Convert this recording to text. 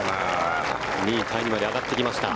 ２位タイまで上がってきました。